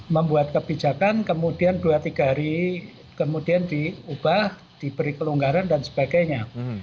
membuat kebijakan kemudian dua tiga hari kemudian diubah diberi kelonggaran dan sebagainya